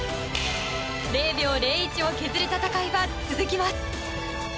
０秒０１を削る闘いは続きます。